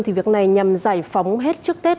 thì việc này nhằm giải phóng hết trước tết